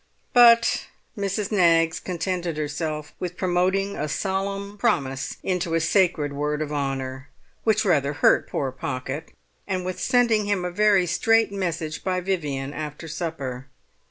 But Mrs. Knaggs contented herself with promoting a solemn promise into a Sacred Word of Honour—which rather hurt poor Pocket—and with sending him a very straight message by Vivian after supper.